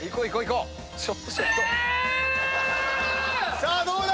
さあどうだ⁉うぅ！